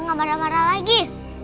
gak marah marah lagi